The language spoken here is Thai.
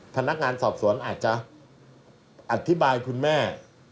พนักงานสอบสวนอาจจะอธิบายคุณแม่